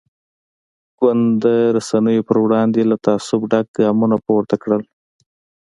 ګوند د رسنیو پر وړاندې له تعصب ډک ګامونه پورته کړل.